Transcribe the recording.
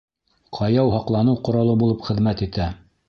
— Ҡаяу һаҡланыу ҡоралы булып хеҙмәт итә.